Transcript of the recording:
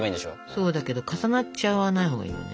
そうだけど重なっちゃわないほうがいいよね。